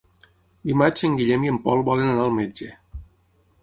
Dimarts en Guillem i en Pol volen anar al metge.